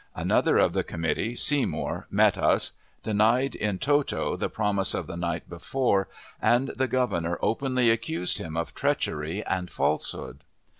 Another of the committee, Seymour, met us, denied in toto the promise of the night before, and the Governor openly accused him of treachery and falsehood.